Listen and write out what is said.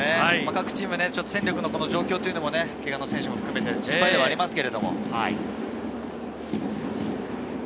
各チーム戦力の状況というのも、けがの選手も含めて心配ではありますが。